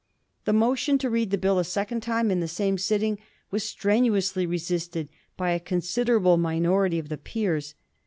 The motion to read the Bill a second time in the same sitting was strenuously resisted by a considerable minority of the Peers.